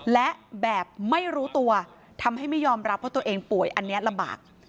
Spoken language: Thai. และแบบไม่รู้ตัวทำให้ไม่ยอมรับว่าตัวเองป่วยอันนี้ลำบาก